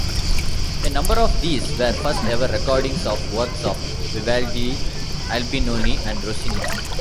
A number of these were first-ever recordings of works of Vivaldi, Albinoni and Rossini.